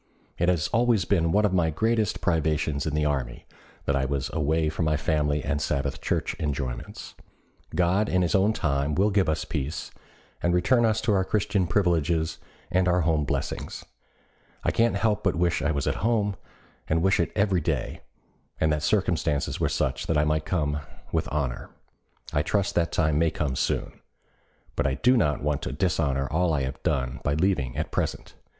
It has always been one of my greatest privations in the army that I was away from my family and Sabbath Church enjoyments. God in his own good time will give us peace, and return us to our Christian privileges and our home blessings. I can't help but wish I was at home, and wish it every day, and that circumstances were such that I might come with honor. I trust that time may come soon. But I do not want to dishonor all I have done by leaving at present.